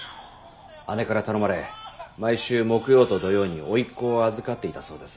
姉から頼まれ毎週木曜と土曜に甥っ子を預かっていたそうです